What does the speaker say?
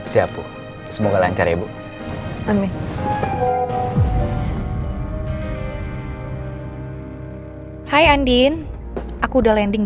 siapa yang jemput kamu